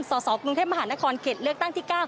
สสกรุงเทพมหานครเขตเลือกตั้งที่๙